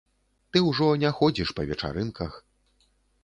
Ты ўжо не ходзіш па вечарынках.